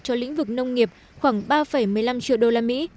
cho lĩnh vực nông nghiệp khoảng ba một mươi năm triệu đô la mỹ